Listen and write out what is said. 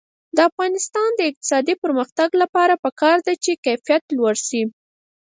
د افغانستان د اقتصادي پرمختګ لپاره پکار ده چې کیفیت لوړ شي.